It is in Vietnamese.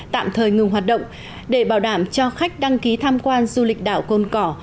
tạm thời ngừng hoạt động để bảo đảm cho khách đăng ký tham quan du lịch đảo côn cỏ